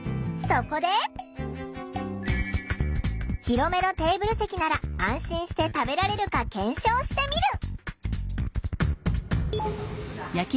広めのテーブル席なら安心して食べられるか検証してみる。